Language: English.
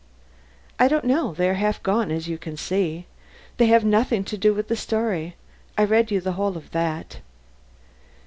"I don't know, they are half gone as you can see. They have nothing to do with the story. I read you the whole of that."